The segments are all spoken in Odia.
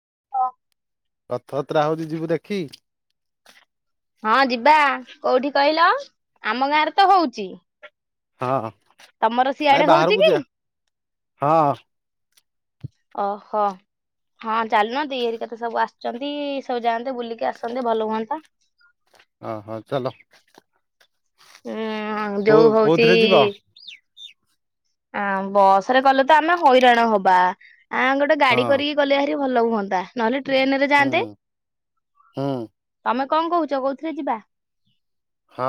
[inaudible] ରଥଯାତ୍ରା ହଉଛି ଯିବୁ ଦେଖି? ହଁ ଯିବା କୋଉଠି କହିଲ ଆମ ଗାଁରେ ତ ହଉଛି। ହଁ। ତମର ସିଆଡେ ନାଇଁ ହଉଛି ବାହାରକୁ ଯିବା କି? ହଁ ଓହୋ। ହଁ ଚାଲୁନ ଦେଈ ହେରିକା ତ ସବୁ ଆସଛନ୍ତି ସବୁ ଯାଆନ୍ତେ ବୁଲିକି ଆସନ୍ତେ ଭଲ ହୁଅନ୍ତା। ହ ହୋ ଚାଲୋ। ହୁଁ ଯୋଉ ହଉଛି କୋଉଥିରେ ଯିବ ଆ ବସ ରେ ଗଲେ ତ ଆମେ ହଇରାଣ ହବା ଆ ଗୋଟେ ହଁ ଗାଡି କରିକିଗଲେହେରି ଭଲ ହୁଅନ୍ତା ନହେଲେ ଟ୍ରେନରେ ଯାଆନ୍ତେ ହୁଁ ହୁଁ ତମେ କଣ କହୁଛ କୋଉଥିରେ ଯିବା? ହଁ।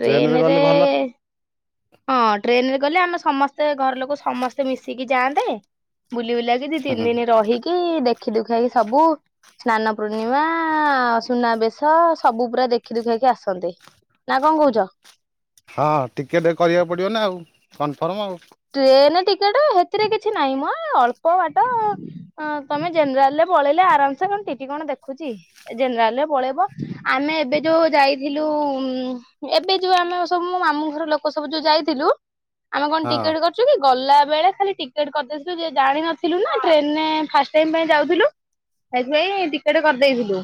ଟ୍ରେନରେ ଗଲେ ଭଲ ହଁ ଟ୍ରେନରେ ଗଲେ ଆମେ ସମସ୍ତେ ଘର ଲୋକ ସମସ୍ତେ ମିଶିକି ଯାଆନ୍ତେ ବୁଲି ବୁଲାକି ଦି ତିନି ହୁଁ ଦିନ ରହିକି ଦେଖି ଦୁଖିକି ସବୁ ସ୍ନାନ ପୂର୍ଣ୍ଣିମା ସୁନାବେଶ ସବୁ ପୁରା ଦେଖି ଦୁଖେଇକି ଆସନ୍ତେ। ନା କଣ କହୁଛ? ହଁ ଟିକେଟ୍ କରିବାକୁ ପଡ଼ିବ ନା ଆଉ କନଫର୍ମ ଆଉ। ଟ୍ରେନ ଟିକେଟ ସେଥିରେ କିଛି ନାହିଁ ମ ଅଳ୍ପ ବାଟ ତମେ ଜେନେରାଲରେ ପଳେଇଲେ ଆରାମସେ କଣ ଟିଟି କଣ ଦେଖୁଛି ଜେନେରାଲରେ ପଳେଇବ ଆମେ ଏବେ ଯୋଉ ଯାଇଥିଲୁ ଆଉ ଏବେ ଯୋଉ ଆମେ ସବୁ ମାମୁ ଘର ଲୋକ ସବୁ ଯୋଉ ଯାଇଥିଲୁ ଆମେ କଣ ହଁ ଟିକେଟ କରୁଛୁ କି ଗଲା ବେଳେ ଖାଲି ଟିକେଟ କରିଦେଇଥିଲୁ ଜାଣିିନଥିଲୁ ନା ଟ୍ରେନରେ ଫାଷ୍ଟ ଟାଇ ପାଇଁ ଯାଉଥିଲୁ ସେଥିପାଇଁ ଟିକେଟ କରିଦେଇଥିଲୁ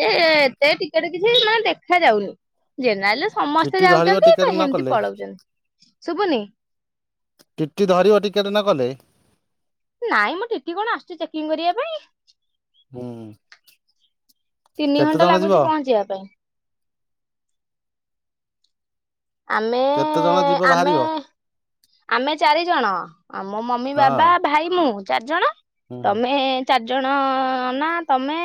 ଯେ ଏତେ ଟିକେଟ କିଛି ମାନେ ଦେଖା ଯାଉନି ଜେନେରାଲରେ ସମସ୍ତେ ଟିଟି ଧରିବ ଯାଉଛନ୍ତି ଟିକେଟ ତ ନ ସେମିତି କଲେ ପଳଉଛନ୍ତି ଶୁଭୁନି। ଟିଟି ଧରିିବ ଟିକେଟ ନକଲେ। ନାଇଁ ମୁଁ ଟିଟି କଣ ଆସୁଛି ଚେକିଂ କରିବା ପାଇଁ। ହୁଁ ତିନି କେତେ ଘଣ୍ଟା ଜଣ ଯିବ ଲାଗୁଛି ପହଞ୍ଚିବା ପାଇଁ। [inaudible] ଆମେ କେତେ ଜଣ ଯିବ ଆମେ ବାହାରିବ ଆମେ ଚାରି ଜଣ ଆମ ମମି ହଁ ବାବା ଭାଇ ମୁଁ ଚାରିଜଣ ହୁଁ ତମେ ଚାରିଜଣ ନା ତମେ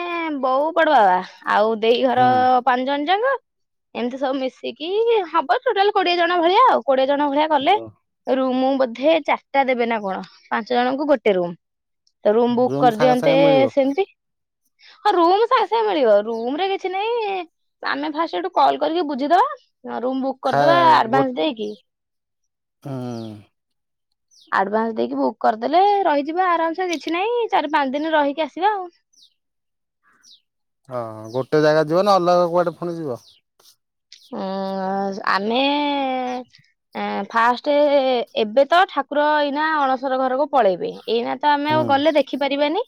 ବଉ ବଡବାବା ଆଉ ଦେଇ ଘର ହୁଁ ପାଞ୍ଚ ଜଣ ଜାକ ଏମିତି ସବୁ ମିଶିକି ହବ ଟୋଟାଲ କୋଡିଏ ଜଣ ଭଳିଆ ଆଉ କୋଡିଏ ଜଣ ଭଳିଆ ଗଲେ ରୁମ ବୋଧେ ଚାରିଟା ଦେବେ ନା କଣ ପାଞ୍ଚ ଜଣଙ୍କୁ ଗୋଟେ ରୁମ୍ ତ ରୁମ ବୁକ୍ ସାଙ୍ଗେ କରିଦିଅନ୍ତେ ସାଙ୍ଗେ ମିଳିବ ସେମିତି ହ ରୁମ ସାଙ୍ଗେ ସାଙ୍ଗେ ମିଳିବ ରମରେ କିଛି ନାଇଁ ଆମେ ଫାଷ୍ଟ ଏଠୁ କଲ୍ କରିକି ବୁଝିଦବା ରୁମ ବୁକ୍ ଖା କରିଦବା ଗୋ ଆଡଭାନ୍ସ ଦେଇକି ହୁଁ। ଆଡଭାନ୍ସ ଦେଇକି ବୁକ୍ କରିଦେଲେ ରହିଯିବା ଆରାମସ କିଛି ନାହିଁ ଚାରି ପାଞ୍ଚ ଦିନ ରହିକି ଆସିବା ଆଉ ହଁ ଗୋଟେ ଜାଗା ଯିବ ନା ଅଲଗା କୁଆଡେ ପୁଣି ଯିବ? ହଁ ଆମେ ଫାଷ୍ଟ ଏବେ ତ ଠାକୁର ଇନା ଅଣସର ଘରକୁ ପଳେଇବେି ଏଇନା ତ ଆମେ ହୁଁ ଆଉ ଗଲେ ଦେଖିପାରିବାନି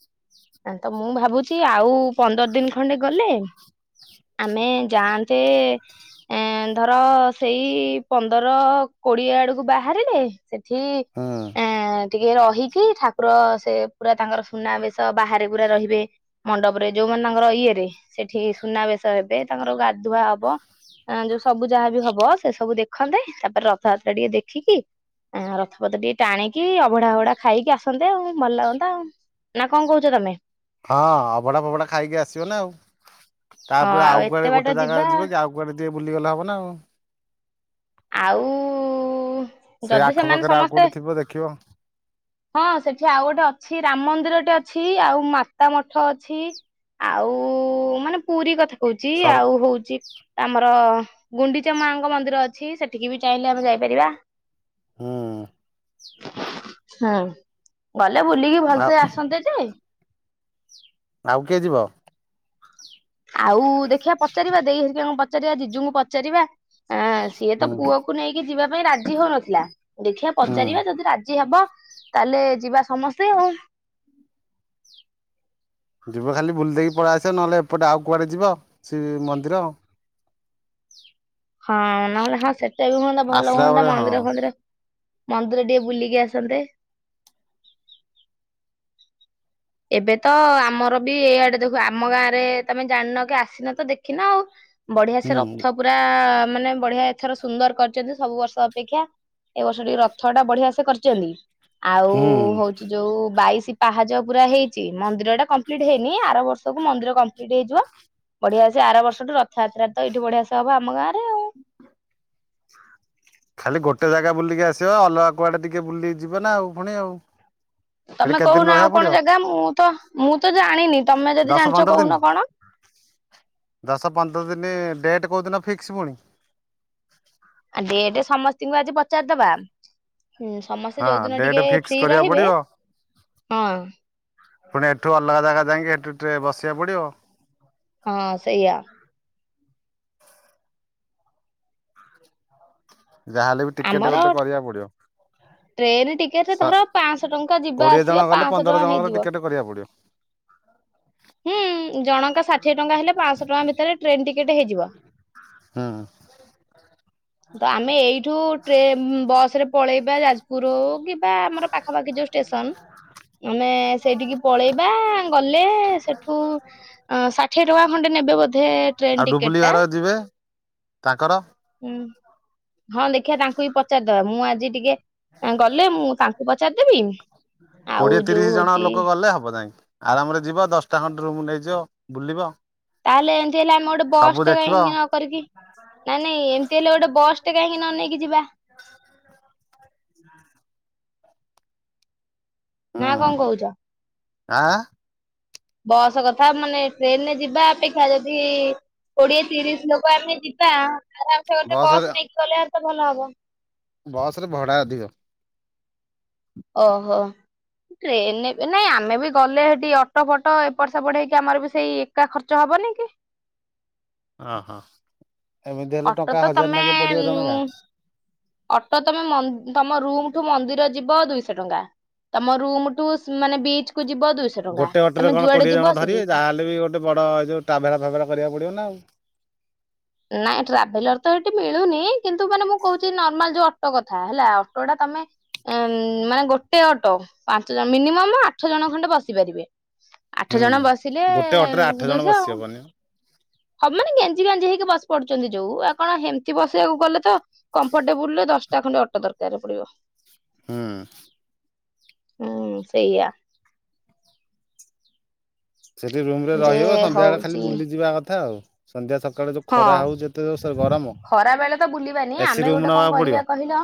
ତ ମୁଁ ଭାବୁଛି ଆଉ ପନ୍ଦର ଦିନ ଖଣ୍ଡେ ଗଲେ ଆମେ ଯାଆନ୍ତେ ଏଁ ଧର ସେଇ ପନ୍ଦର କୋଡିଏ ଆଡକୁ ବାହାରିଲେ ସେଠି ହୁଁ ଏଁ ଟିକେ ରହିଛିି ଠାକୁର ସେ ପୁରା ତାଙ୍କର ସୁନାବେଶ ବାହାରେ ପୁରା ରହିବେ ମଣ୍ଡପରେ ଯୋଉ ମାନେ ତାଙ୍କର ଇଏରେ ସେଠି ସୁନାବେଶ ହେବେ ତାଙ୍କର ଗାଧୁଆ ହବ। ଯୋଉ ସବୁ ଯାହା ବି ହବ ସେ ସବୁ ଦେଖନ୍ତେ ତାପରେ ରଥଯାତ୍ରା ଟିକେ ଦେଖିକି ଅଁ ରଥଫଥ ଟିକେ ଟାଣିକି ଅଭଢା ଭଢା ଖାଇକି ଆସନ୍ତେ ଆଉ ଭଲ ଲାଗନ୍ତା ଆଉ। ନା କଣ କହୁଛ ତମେ? ହଁ ଅଭଡା ଫଭଡା ଖାଇକି ଆସିବ ନା ଆଉ। ହଁ ତାପରେ ଆଉ ଏତେ କୁଆଡେ ବାଟ ଗୋଟେ ଜାଗା ଯିବା ଯିବ କି ଆଉ କୁଆଡେ ଟିକେ ବୁଲିଗଲେ ହବ ନା ଆଉ। ଆଉ ସେଇ ଯଦି ସେମାନେ ଆଖପାଖରେ ଆଉ ସମସ୍ତେ କୋଉଠି ଥିବ ଦେଖିବ ହଁ ସେଠି ଆଉ ଗୋଟେ ଅଛି। ଛି ରାମ ମନ୍ଦିରଟେ ଅଛି ଆଉ ମାତା ମଠ ଅଛି। ଆଉ ମାନେ ପୁରୀ କଥା ହଉଚି ସର ଆଉ ହଉଚି ଆମର ଗୁଣ୍ଡିଚା ମାଙ୍କ ମନ୍ଦିର ଅ ଛି ସେଠିକି ବି ଚାହିଁଲେ ଆମେ ଯାଇପାରିବା। ହୁଁ ହଁ ଗଲେ ବୁଲିକି ଆଉ ଭଲସେ ଆସନ୍ତେ ଯେ। ଆଉ କିଏ ଯିବ? ଆଉ ଦେଖିବା ପଚାରିବା ଦେଇ ହେରିକାଙ୍କୁ ପଚାରିବା ଜିଜୁଙ୍କୁ ପଚାରିବା। ଏଁ ସିଏ ତ ହୁଁ ପୁଅକୁ ନେଇକି ଯିବା ପାଇଁ ରାଜି ହଉନଥିଲା ଦେଖିବା ପଚାରିବା ହୁଁ ଯଦି ରାଜି ହବ। ତାହେଲେ ଯିବା ସମସ୍ତେ ଆଉ। ଯିବ ଖାଲି ବୁଲି ଦେଇକି ପଳେଇ ଆସିବ ନହେଲେ ଏପଟେ ଆଉ କୁଆଡେ ଯିବ ସେ ମନ୍ଦିର ହଁ ନହେଲେ ହଁ ସେଟା ବି ହୁଅନ୍ତା ଭଲ ଆସିଲା ହୁଅନ୍ତା ବେଳେ ହଁ ମନ୍ଦିର ଫନ୍ଦିର ମନ୍ଦିର ଟିକେ ବୁଲିକି ଆସନ୍ତେ। ଏବେ ତ ଆମର ବି ଏଇଆଡେ ଦେଖୁ ଆମ ଗାଁରେ ତମେ ଜାଣିନ କି ଆସିନ ତ ଦେଖିନ ଆଉ। ବଢିଆ ସେ ହୁଁ ରଥ ପୁରା ମାନେ ବଢିଆ ଏଥର ସୁନ୍ଦର କରିଚନ୍ତି ସବୁ ବର୍ଷ ଅପେକ୍ଷା। ଏ ବର୍ଷ ଟିକେ ରଥ ଟା ବଢିଆ ସେ କରିଚନ୍ତି ଆଉ ହୁଁ ହଉଚି ଯୋଉ ବାଇଶି ପାହାଜ ପୁରା ହେଇଚି ମନ୍ଦିର ଟା କମ୍ପ୍ଲିଟ ହେଇନି ଆର ବର୍ଷକୁ ମନ୍ଦିର କମ୍ପ୍ଲିଟ ହେଇଯିବ। ବଢ଼ିଆ ସେ ଆର ବର୍ଷଠୁ ରଥଯାତ୍ରା ତ ଏଇଠୁ ବଢିଆ ସେ ହବ ଆମ ଗାଁ ରେ ଆଉ। ଖାଲି ଗୋଟେ ଜାଗା ବୁଲିକି ଆସିବ ଅଲଗା କୁଆଡେ ଟିକେ ବୁଲିକି ଯିବ ନା ଆଉ ପୁଣି ଆଉ। ସେଠି ତମେ କେତେ ଦିନ କହୁନ ଆଉ ରହିବାକୁ କଣ ପଡ଼ିବ ଜାଗା ମୁଁ ତ ମୁଁ ତ ଜାଣିନି। ତମେ ଯଦି ଦଶ ଜାଣିଚ ପନ୍ଦର ଦିନ କହୁନ କଣ? ଦଶ ପନ୍ଦର ଦିନେ ଡେଟ କଉଦିନ ଫିକ୍ସ ପୁଣି? ଆ ଡେଟ ସମସ୍ତିଙ୍କୁ ଆଜି ପଚାରିଦବା। ହୁଁ ସମସ୍ତେ ହଁ ଯୋଉଦିନ ଡେଟ୍ ଟିକେ ଫିକ୍ସ ଫ୍ରି କରିବାକୁ ରହିବେ। ପଡ଼ିବ ହଁ ପୁଣି ଏଠୁ ଅଲଗା ଜାଗା ଯାଇକି ହେଟୁ ଟେ ବସିବାକୁ ପଡିବ। ହଁ ସେଇଆ। ଯାହେଲେ ବି ଟିକେଟେ ଆମର ଗୋଟେ କରିବାକୁ ଟ୍ରେନ ପଡିବ। ଟିକେଟରେ ସ ଧର ପାଁଶହ ଟଙ୍କା ଯିବା କୋଡିଏ ଆସିବା ଜଣ ଗଲେ ପାଁଶହ ଟଙ୍କା ପନ୍ଦର ଜଣଙ୍କର ହେଇଯିବ। ଟିକେଟ କରିବାକୁ ପଡିବ। ହ [unintelligible] ହୁଁ ଜଣ ଷାଠିଏ ଟଙ୍କା ହେଲେ ପାଆଁଶ ଟଙ୍କା ଭିତରେ ଟ୍ରେନ୍ ଟିକେଟ ହେଇଯିବ। ହୁଁ ତ ଆମେ ଏଇଠୁ ଟ୍ରେନ ଉମ୍ ବସ ରେ ପଳେଇବା ଜା ପୁରୁ କି ବା ଆମର ପାଖାପାଖି ଯୋଉ ଷ୍ଟେସନ ଆମେ ସେଇଠିକି ପଳେଇବା। କଲେ ସେଠୁ ଷାଠିଏ ଟଙ୍କା ଖଣ୍ଡେ ନେବେ ବୋଧେ ଆଉ ଟ୍ରେନ୍ ଟିକେଟ ଡୁବୁଲି ଟା। ଘର ଯିବେ ତାଙ୍କର ହୁଁ ହଁ ଦେଖିଆ ତାଙ୍କୁ ବି ପଚାରିଦବା ମୁଁ ଆଜି ଟିକେ ଗଲେ ମୁଁ ତାଙ୍କୁ ପଚାରିଦେବି ଆଉ କୋଡିଏ ଯୋଉ ତିରିଶ ଜଣ ହଉଛି ଲୋକ ଗଲେ ହବ ଯାଇଁକି ଆରାମରେ ଯିବ ଦଶଟା ଖଟେ ରୁମ ନେଇଯିବ ବୁଲିବ। ତାହେଲେ ଏମିତି ହେଲେ ଆମେ ଗୋଟେ ବସ୍ ସବୁ ଟେ ଦେଖିବ କାହିଁକି ନ କରିକି ନାଇ ନାଇଁ ଏମତି ହେଲେ ଗୋଟେ ବସ୍ ଟେ କାହିଁକି ନ ନେଇକି ଯିବା? ହୁଁ। ନା କଣ କହୁଛ? ଆଁ ବସ୍ କଥା ମାନେ ଟ୍ରେନରେ ଯିବା ଅପେକ୍ଷା ଯଦି କୋଡିଏ ତିରିଶ ଲୋକ ଆମେ ଯିବା ଆରାମସ ଗେ। ଟେ ବସ ନେଇକି ଗଲେ ତ ଭଲ ହବ। ବସ ରେ ଭଡା ଅଧିକ। ଓହୋ। ଟ୍ରେନ ନାଇଁ ଆମେ ବି ଗଲେ ସେଠି ଅଟୋ ଫଟୋ ଏପଟ ସେପଟ ହେଇକି ଆମର ବି ସେଇ ଏକା ଖର୍ଚ୍ଚ ହବ। ହବନ କି? ହ ହୋ ଅଟୋ ତ ତମେ ଅଟୋ ତମେ ମଠୁ ମନ୍ଦିର ଯିବ ଦୁଇଶ ଟଙ୍କା ତମ ରୁମୁ ଠୁବିଚକୁ ଗୋଟେ ଅଟୋରେ କଣ କୋଡିଏ ଜଣ ଧରିବେ ଦୁଇଶହ। ଯାହାହେଲେ ବି ଗୋଟେ ବଡ ଏ ଯୋଉ ଟ୍ରାଭେରା କରିବାକୁ ପଡିବ ନା ଆଉ ନାଇଁ ଟ୍ରାଭେଲର ତ ସେଇଠି ମିଳୁନି କିନ୍ତୁ ମାନେ ମୁଁ କହୁଛି ନର୍ମାଲ ଯୋଉ ଅଟୋ କଥା ହେଲା ଅଟୋ ଟା ତମେ ଉ ମାନେ ଗୋଟେ ଅଟୋ ପାଞ୍ଚ ଜଣ ମିନିମମ୍ ଆଠ ଜଣ ଖଣ୍ଡେ ବସିପାରିବେ। ଆଠ ହୁଁ ଜଣ ବସିଲେ ଗୋଟେ ଅଟୋରେ ଆଠ ଜଣ ଦୁଇଶହ ବସି ଆଉ। ହବନି। ହବନ ଗେଞ୍ଜି ଗଞ୍ ହେଇକି ବ ପଡୁ ଯୋଉ ଆଉ କଣ ଏମିତି ବସିବାକୁ ଗଲେ ତ କମ୍ଫର୍ଟେବୁଲ ଦଶଟା ଖଣ୍ଡେ ଅଟୋ ଦରକାର ପଡିବ। ହଁ। ହୁଁ ସେଇଆ। ସେଠି ରୁମ ରେ ଯେ ରହିବ ସନ୍ଧ୍ୟା ବେଳେ ଖାଲି ହଉଛି ବୁଲିଯିବା କଥା, ଆଉ ସନ୍ଧ୍ୟା ସକାଳେ ଯୋଉ ହଁ ଖରା ହଉ ଯେତେ ଖରା ବେଳେ ତ ବୁଲିବାନି ଆମେ ରୁମ ଗୋଟେ କଣ ନବାକୁ ପଡିବ। କରିବା କହିଲ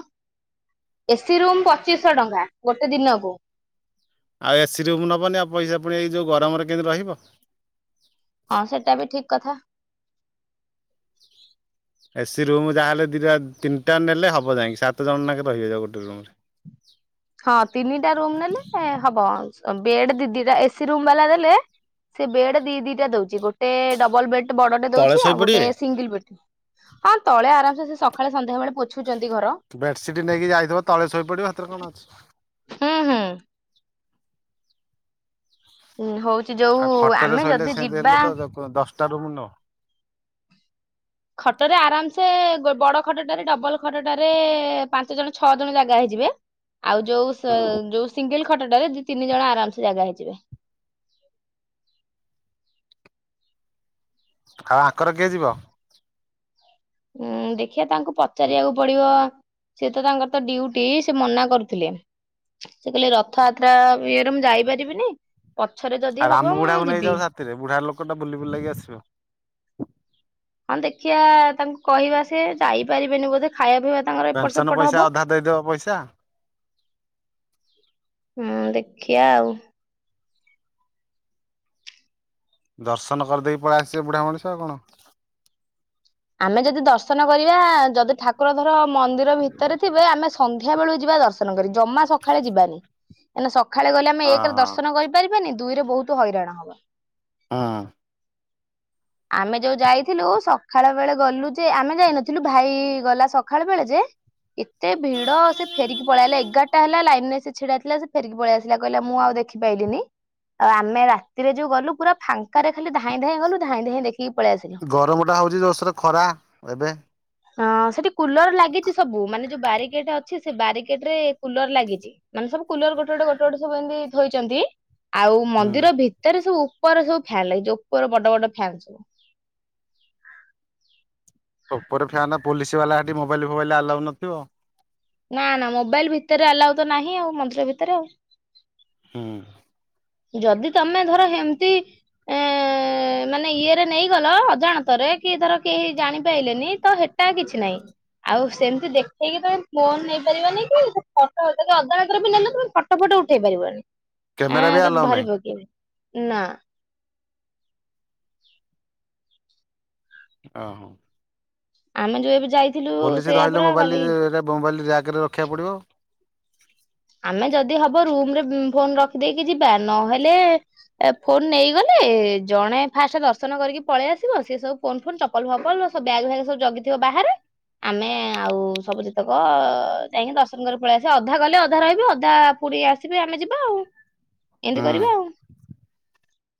ଏସିି ରୁମ୍ ପଚିଶ ଶ ଟଙ୍କା ଗୋଟେ ଦିନକୁ ଆଉ ଏସିି ରୁମ ନବନି ଆଉ ପଇସା ପୁଣି ଏଇ ଯୋଉ ଗରମରେ କେମିତି ରହିବ? ହଁ ସେଟା ବି ଠିକ କଥା। ଏ ସି ରୁମ ଯାହାହେଲେ ଦିଇଟା ତିନିଟା ନେଲେ ହବ ଯାଇଁକି ସାତ ଜଣ ନଙ୍କ ରହିବେବଗୋଟେ ରୁମ ରେ। ଏ ହବ ବେଡ ଦି ଦିଟା ଏସି ରୁମ୍ ବାଲା ଦେଲେ ସେ ବେଡ ଦି ଦିଟା ଦଉଛି ଗୋଟେ ଡବଲ ବେଡ୍ ବଡଟେ ତଳେ ଦଉଛି ଆଉ ଗୋଟେ ଶୋଇପଡିବେ ସିଙ୍ଗଲ ବେ ହଁ ତଳେ ଆରାମସ ସକାଳେ ସନ୍ଧ୍ୟାବେଳେ ପୁ ବେଡସିଟ୍ ନେଇକି ଯାଇଥିବ ତଳେ ଶୋଇପଡିବ ସେଥିରେ କଣ ଅଛି। ହଁ ହଁ। ହଉଛି ଯୋଉ ଆଉ ଆମେ ଯଦି ଯିବା ତାରମନ ଖଟ ରେ ଆରାମସ ବଡ ଖଟଟାରେ ଡବଲ ଖଟଟାରେ ପାଞ୍ଚ ଜଣ ଛଅ ଜଣ ଜାଗା ହେଇଯିବ ଆଉ ଯୋଉ ସିଙ୍ଗଲ ଖଟଟରେ ଦି ତିନି ଜଣ ଆରାମ ସେ ଜାଗା ହେଇଯିବେ। ଆଉ ଆଙ୍କର କିଏ ଯିବ? ହୁଁ ଦେଖିବା ତାଙ୍କୁ ପଚାରିବାକୁ ପଡିବ! ସେତ ତାଙ୍କର ତ ଡୁଟି ସେ ମନା କରୁଥିଲେ ସେ କହିଲେ ରଥଯାତ୍ରା ଇଏରେ ମୁଁ ଯାଇପାରିବିନି ପଛରେ ଯଦି ଆଉ ହବ ଆମେ ମୁଁ ବୁଢାକୁ ଯିବି ନେଇଯାଉ ସାଥିରେ ବୁଢାର ଲୋକ ଟା ବୁଲି ବୁଲକି ଆସିବ। ହଁ ଦେଖିବା ତାଙ୍କୁ କହିବା ସେ ଯାଇପାରିବେନି ବୋଧେ ଖାଇବା ପିଇବା ତାଙ୍କର ଏପଟ ପେନସନ ସେପଟ ପଇସା ହବ ଅଧା ଦେଇଦବ ପଇସା ହୁଁ ଦେଖ ଖିଆ ଆଉ ଦର୍ଶନ କରିଦେଇକି ପଳେଇ ଆସିବେ ବୁଢା ମଣିଷ ଆଉ କଣ। ଆମେ ଯଦି ଦର୍ଶନ କରିବା, ଯଦି ଠାକୁର ଧର ମନ୍ଦିର ଭିତରେ ଥିବେ, ଆମେ ସନ୍ ସନ୍ଧ୍ୟା ବେଳକୁ ଯିବା ଦର୍ଶନ କରି ଜମା ସକାଳେ ଯିବାନି କାଁକନା ସକାଳେ ଗଲେ ଆମେ ହଁ ଏକରେ ଦର୍ଶନ କରିପାରିବା। ଦୁଇରେ ବହୁତ ହଇରାଣ ହବ। ହଁ ଆମେ ଯୋଉ ଯାଇଥିଲୁ ସ ସକାାଳ ବେଳେ ଗଲୁ ଯେ ଆମେ ଯାଇନଥିଲୁ ଭାଇ ଗଲା ସକାଳ ବେଳେ ଯେ ଏତେ ଭିଡ଼ ସେ ଫେରିକି ପଳେଇଲା ଏଗାରଟା ହେଲା ଲାଇନରେ ସେ ଛିଡ଼ା ହେଇଥିଲା ସେ ଫେରିକି ପଳେଇ ଆସିଲା କହିଲା ମୁଁ ଆଉ ଦେଖି ପାଇଲିିନି ଆମେ ରାତିରେ ଯୋଉ ଗଲୁ ପୁରା ଫାଙ୍କାରେ ଖାଲି ଧାଇଁ ଧାଇଁ ଗଲୁ ଧାଇଁ ଧାଇଁ ଦେଖ ଗରମ ଟା ହଉଛି ଜରସେ ଖରା ଏବେ? ହଁ ସେଠି କୁଲର ଲାଗିଛି ସବୁ ମାନେ ଯୋଉ ବାରିକେଟ ଅଛି ସେ ବାରିକେଟ ରେ କୁଲର ଲାଗିଛି ମାନେ ସବୁ କୁଲର ଗୋଟେ ଗୋଟେ ଗୋଟେ ଗଟେ ସବୁ ଏମିତି ଥୋଇଛନ୍ତି। ଆଉ ମନ୍ଦିର ଭିତରେ ସବୁ ଉପର ସବୁ ଫ୍ୟନ୍ ଲାଗିଛି ଉପର ବଡ଼ ବଡ଼ ଫ୍ୟାନ ସବୁ। ଉପରେ ଫାନ ପୋଲିସି ବାଲା ସେଠି ମୋବାଇଲ୍ ଫୋବାଇଲ୍ ଆଲାଉ ନଥିବ? ନା ନା ମୋବାଇଲ୍ ଭିତରେ ଆଲାଉ ତ ନାହିଁ ଆଉ ମନ୍ଦିର ଭିତରେ ଆଉ। ହୁଁ। ଯଦି ତମେ ଧର ଏମତି ଏ ମାନେ ଇଏରେ ନେଇଗଲ ଅଜାଣତରେ କି ଧର କେହି ଜାଣିପାରଲେନି ତ ହେଟା କିଛି ନାହିଁ ଆଉ ସେମିତି ଦେଖେଇକି ତମେ ଫୋନ୍ ନେଇ ପାରିବନି କି ଅଦାର ବି ନେଲେ ଫଟ ଫଟ ଉଠେଇ ପାରିବନି। ଆ କ୍ୟାମେରା ବି ତତେ ଆଲାଉ ଧରି ନାହିଁ? ପକେଇବେ ନା। ଓ ହୋ। ଆମେ ଯୋଉ ଏ ପୋଲିସ ଧରିଲେ ମୋବାଇଲ ମୋବାଇଲ ର୍ୟାଗରେ ରଖିବାକୁ ପଡ଼ିବ। ଆମେ ଯଦି ହବ ରୁମ ରେ ଫୋନ୍ ରଖିଦେଇକି ଯିବା ନହେଲେ ଏ ଫୋନ ନେଇଗଲେ ଜଣେ ଫାଷ୍ଟ ଦର୍ଶନ କରିକି ପଳେଇ ଆସିବ ସେ ସବୁ ଫୋନ୍ ଫୋନ୍ ଚପଲ ଫପଲ ସବୁ ବ୍ୟାଗ ଫ୍ୟାଗ୍ ସବୁ ଜଗିଥିବ ବାହାରେ ଆମେ ଆଉ ସବୁ ଯେତେକ ଯାଇକି ଦର୍ଶନ କରି ପଳେଇ ଆସିବା ଅଧା ଗଲେ ଅ ଅଧା ରହିବେ ଅଧା ପୁଣି ଆସିବେ ଆମେ ଯିବା ଆଉ, ଏମିତି ହୁଁ କରିବା ଆଉ।